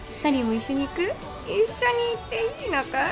「一緒に行っていいのかい？」